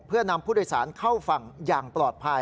เพื่อนำผู้โดยสารเข้าฝั่งอย่างปลอดภัย